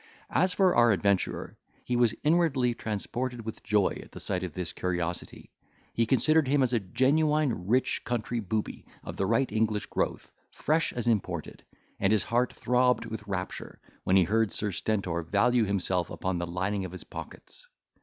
As for our adventurer, he was inwardly transported with joy at sight of this curiosity. He considered him as a genuine, rich country booby, of the right English growth, fresh as imported; and his heart throbbed with rapture, when he heard Sir Stentor value himself upon the lining of his pockets.